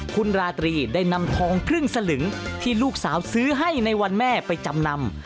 คุณราตรีได้นำทองครึ่งสลึงที่ลูกสาวซื้อให้ในวันแม่ไปจำนำ